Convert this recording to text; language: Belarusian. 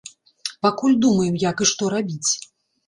Пакуль думаем, як і што рабіць.